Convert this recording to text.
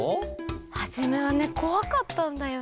はじめはねこわかったんだよね。